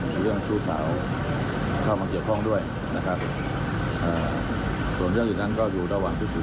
หรือข้อบางเกี่ยวข้องด้วยนะครับเอ่อส่วนเรื่องอย่างนั้นก็อยู่ต่างหวั่นทุก